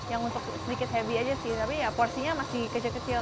yang untuk sedikit heavy aja sih tapi ya porsinya masih kecil kecil